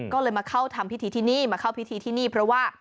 ก็เลยมาเข้าทำพิธีที่นี่มาเข้าพิธีที่นี่เพราะว่า